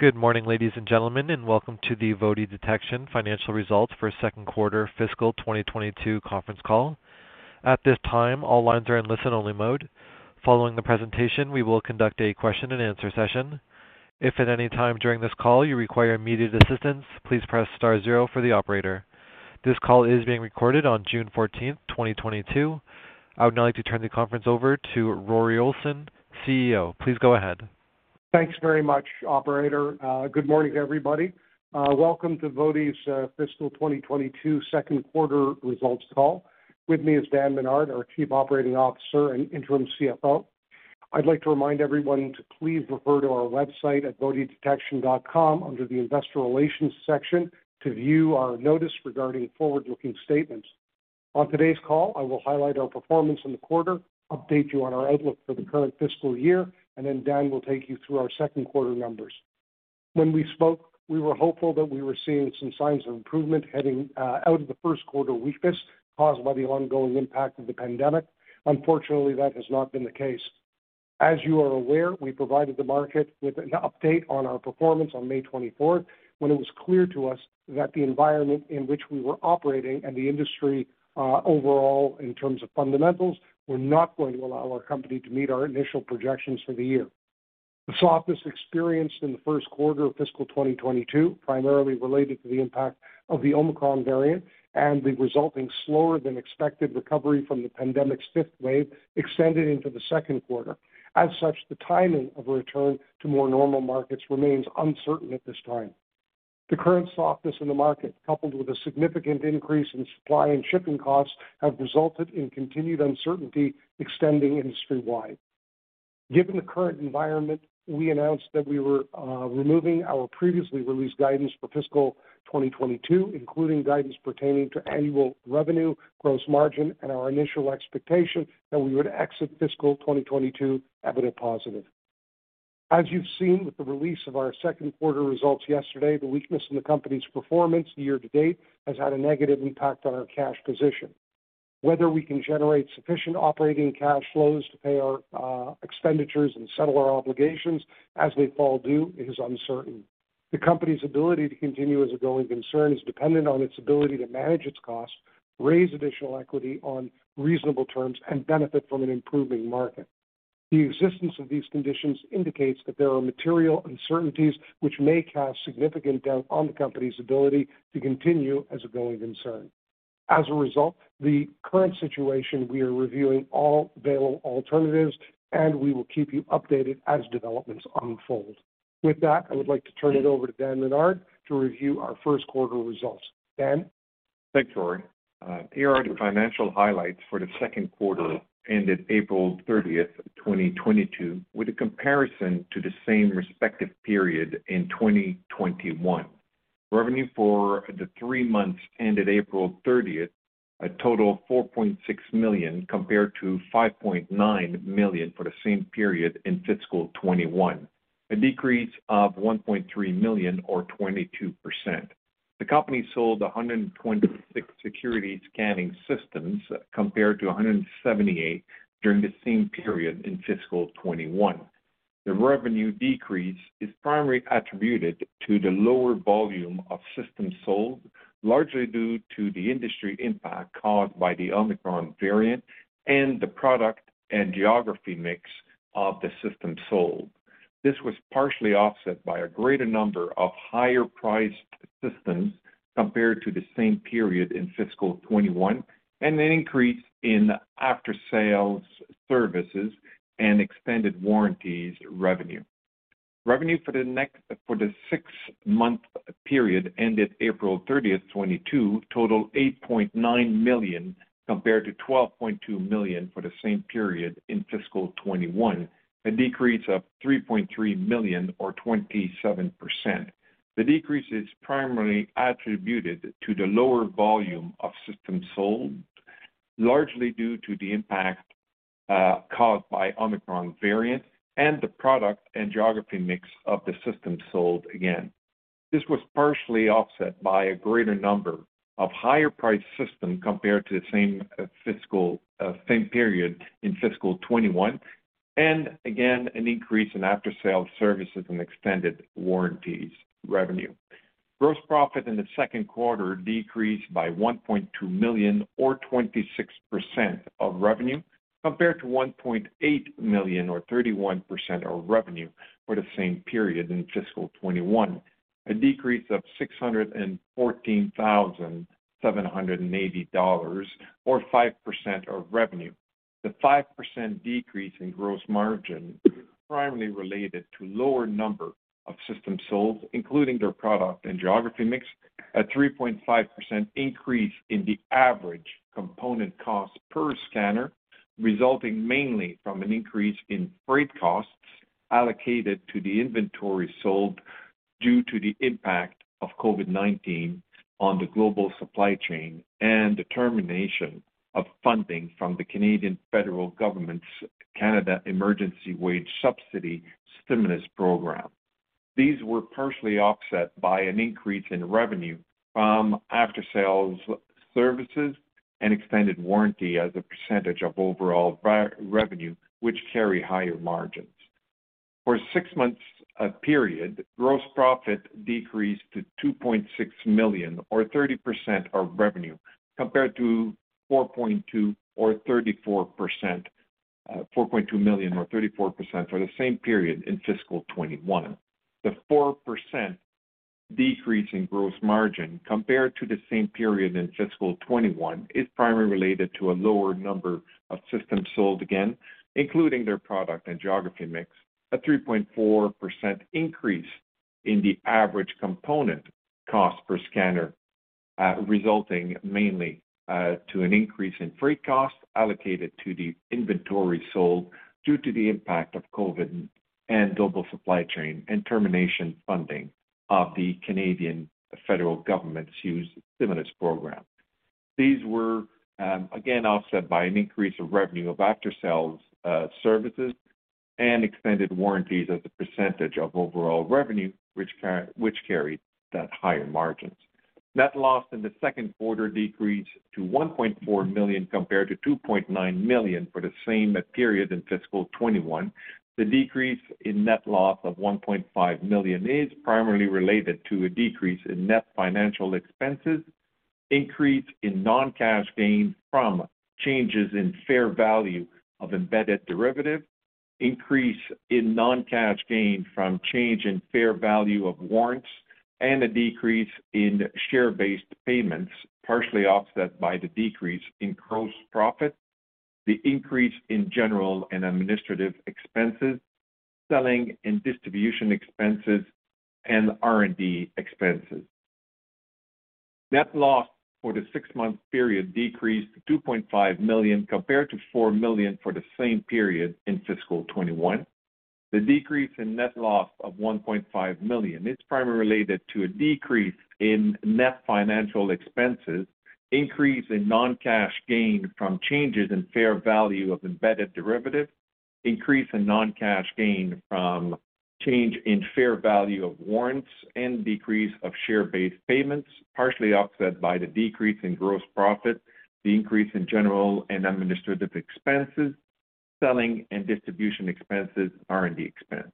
Good morning, ladies and gentlemen, and welcome to the VOTI Detection financial results for second quarter fiscal 2022 conference call. At this time, all lines are in listen-only mode. Following the presentation, we will conduct a question-and-answer session. If at any time during this call you require immediate assistance, please press star zero for the operator. This call is being recorded on June 14, 2022. I would now like to turn the conference over to Rory Olson, CEO. Please go ahead. Thanks very much, operator. Good morning, everybody. Welcome to VOTI's fiscal 2022 second quarter results call. With me is Daniel Menard, our Chief Operating Officer and Interim CFO. I'd like to remind everyone to please refer to our website at votidetection.com under the investor relations section to view our notice regarding forward-looking statements. On today's call, I will highlight our performance in the quarter, update you on our outlook for the current fiscal year, and then Dan will take you through our second quarter numbers. When we spoke, we were hopeful that we were seeing some signs of improvement heading out of the first quarter weakness caused by the ongoing impact of the pandemic. Unfortunately, that has not been the case. As you are aware, we provided the market with an update on our performance on May twenty-fourth when it was clear to us that the environment in which we were operating and the industry, overall, in terms of fundamentals, were not going to allow our company to meet our initial projections for the year. The softness experienced in the first quarter of fiscal 2022, primarily related to the impact of the Omicron variant and the resulting slower than expected recovery from the pandemic's fifth wave extended into the second quarter. As such, the timing of a return to more normal markets remains uncertain at this time. The current softness in the market, coupled with a significant increase in supply and shipping costs, have resulted in continued uncertainty extending industry-wide. Given the current environment, we announced that we were removing our previously released guidance for fiscal 2022, including guidance pertaining to annual revenue, gross margin, and our initial expectation that we would exit fiscal 2022 EBITDA positive. As you've seen with the release of our second quarter results yesterday, the weakness in the company's performance year to date has had a negative impact on our cash position. Whether we can generate sufficient operating cash flows to pay our expenditures and settle our obligations as they fall due is uncertain. The company's ability to continue as a going concern is dependent on its ability to manage its costs, raise additional equity on reasonable terms, and benefit from an improving market. The existence of these conditions indicates that there are material uncertainties which may cast significant doubt on the company's ability to continue as a going concern. As a result, the current situation, we are reviewing all available alternatives, and we will keep you updated as developments unfold. With that, I would like to turn it over to Daniel Menard to review our first quarter results. Dan. Thanks, Rory. Here are the financial highlights for the second quarter ended April 30th, 2022, with a comparison to the same respective period in 2021. Revenue for the three months ended April 30th, 4.6 million compared to 5.9 million for the same period in fiscal 2021, a decrease of 1.3 million or 22%. The company sold 126 security screening systems, compared to 178 during the same period in fiscal 2021. The revenue decrease is primarily attributed to the lower volume of systems sold, largely due to the industry impact caused by the Omicron variant and the product and geography mix of the systems sold. This was partially offset by a greater number of higher priced systems compared to the same period in fiscal 2021, and an increase in after-sales services and extended warranties revenue. Revenue for the six-month period ended April 30th, 2022 totaled 8.9 million compared to 12.2 million for the same period in fiscal 2021. A decrease of 3.3 million or 27%. The decrease is primarily attributed to the lower volume of systems sold, largely due to the impact caused by Omicron variant and the product and geography mix of the system sold again. This was partially offset by a greater number of higher priced system compared to the same period in fiscal 2021, and again, an increase in after-sale services and extended warranties revenue. Gross profit in the second quarter decreased by 1.2 million or 26% of revenue, compared to 1.8 million or 31% of revenue for the same period in fiscal 2021. A decrease of 614,780 dollars or 5% of revenue. The five percent decrease in gross margin primarily related to lower number of systems sold, including their product and geography mix. A 3.5% increase in the average component cost per scanner, resulting mainly from an increase in freight costs allocated to the inventory sold due to the impact of COVID-19 on the global supply chain. The termination of funding from the Canadian federal government's Canada Emergency Wage Subsidy. These were partially offset by an increase in revenue from after-sales services and extended warranty as a percentage of overall revenue which carry higher margins. For six-month period, gross profit decreased to 2.6 million or 30% of revenue compared to 4.2 million or 34%. The 4% decrease in gross margin compared to the same period in fiscal 2021 is primarily related to a lower number of systems sold, including their product and geography mix, a 3.4% increase in the average component cost per scanner, resulting mainly to an increase in freight costs allocated to the inventory sold due to the impact of COVID and global supply chain and termination of funding of the Canadian federal government's Canada Emergency Wage Subsidy. These were again offset by an increase of revenue of after-sales services and extended warranties as a percentage of overall revenue which carried that higher margins. Net loss in the second quarter decreased to 1.4 million compared to 2.9 million for the same period in fiscal 2021. The decrease in net loss of 1.5 million is primarily related to a decrease in net financial expenses, increase in non-cash gains from changes in fair value of embedded derivative, increase in non-cash gain from change in fair value of warrants, and a decrease in share-based payments, partially offset by the decrease in gross profit, the increase in general and administrative expenses, selling and distribution expenses, and R&D expenses. Net loss for the six-month period decreased to 2.5 million compared to 4 million for the same period in fiscal 2021. The decrease in net loss of 1.5 million is primarily related to a decrease in net financial expenses, increase in non-cash gain from changes in fair value of embedded derivative, increase in non-cash gain from change in fair value of warrants, and decrease of share-based payments, partially offset by the decrease in gross profit, the increase in general and administrative expenses, selling and distribution expenses, R&D expenses.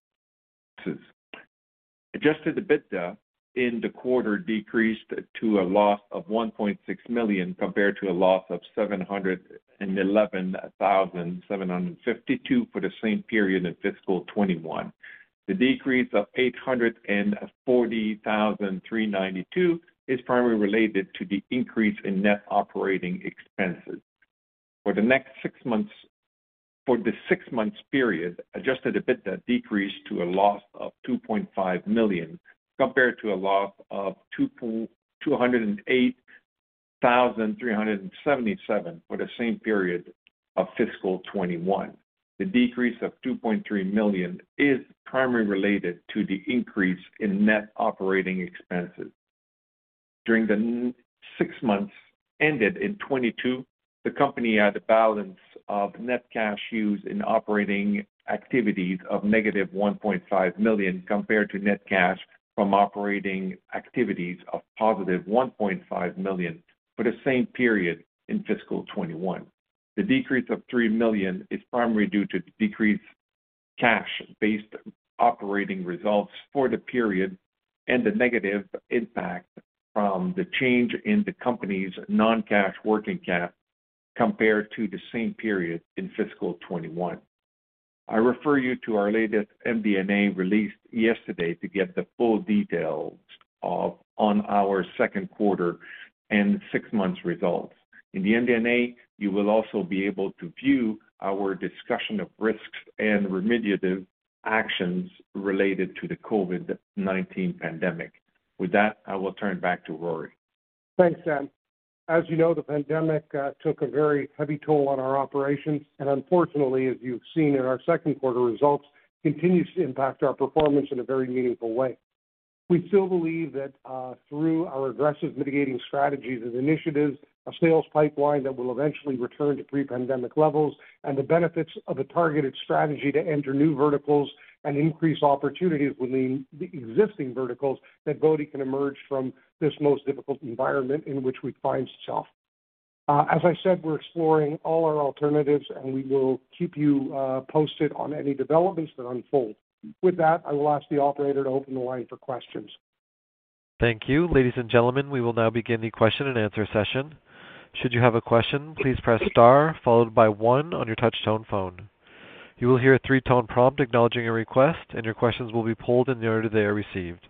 Adjusted EBITDA in the quarter decreased to a loss of 1.6 million compared to a loss of 711,752 for the same period in fiscal 2021. The decrease of 840,392 is primarily related to the increase in net operating expenses. For the six months period, Adjusted EBITDA decreased to a loss of 2.5 million compared to a loss of 208,377 for the same period of fiscal 2021. The decrease of 2.3 million is primarily related to the increase in net operating expenses. During the six months ended in 2022, the company had a balance of net cash used in operating activities of -1.5 million compared to net cash from operating activities of 1.5 million for the same period in fiscal 2021. The decrease of 3 million is primarily due to the decreased cash-based operating results for the period and the negative impact from the change in the company's non-cash working capital compared to the same period in fiscal 2021. I refer you to our latest MD&A released yesterday to get the full details of our second quarter and six months results. In the MD&A, you will also be able to view our discussion of risks and remediative actions related to the COVID-19 pandemic. With that, I will turn back to Rory. Thanks, Dan. As you know, the pandemic took a very heavy toll on our operations, and unfortunately, as you've seen in our second quarter results, continues to impact our performance in a very meaningful way. We still believe that, through our aggressive mitigating strategies and initiatives, a sales pipeline that will eventually return to pre-pandemic levels, and the benefits of a targeted strategy to enter new verticals and increase opportunities within the existing verticals, that VOTI can emerge from this most difficult environment in which we find itself. As I said, we're exploring all our alternatives, and we will keep you posted on any developments that unfold. With that, I will ask the operator to open the line for questions. Thank you. Ladies and gentlemen, we will now begin the question and answer session. Should you have a question, please press star followed by one on your touch tone phone. You will hear three-tone prompt acknowledging your request, and your questions will be pulled in the order they are received.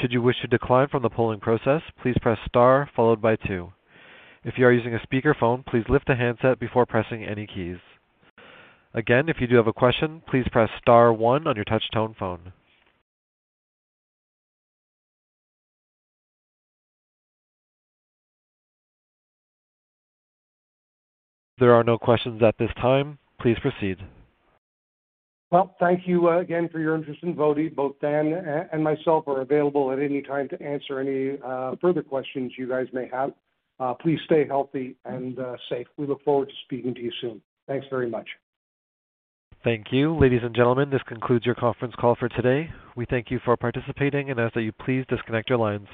Should you wish to decline from the polling process, please press star followed by two. If you are using a speaker phone, please lift the handset before pressing any keys. Again, if you do have a question, please press star one on your touch tone phone. There are no questions at this time. Please proceed. Well, thank you again for your interest in VOTI. Both Dan and myself are available at any time to answer any further questions you guys may have. Please stay healthy and safe. We look forward to speaking to you soon. Thanks very much. Thank you. Ladies and gentlemen, this concludes your conference call for today. We thank you for participating and ask that you please disconnect your lines.